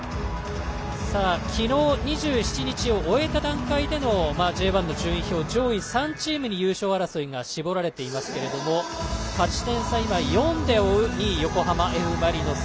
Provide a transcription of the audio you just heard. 昨日２７日を終えた段階でのＪ１の順位表、上位３チームに優勝争いが絞られてますけど勝ち点差４で追う２位、横浜Ｆ・マリノス